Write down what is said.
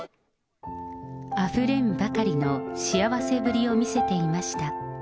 あふれんばかりの幸せぶりを見せていました。